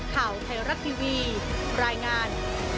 ข่าวไทยรัฐทีวีรายงาน